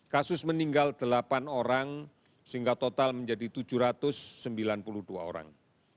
kasus meninggal delapan orang sehingga total menjadi tujuh ratus sembilan puluh dua orang